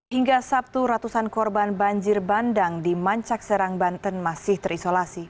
hingga sabtu ratusan korban banjir bandang di mancak serang banten masih terisolasi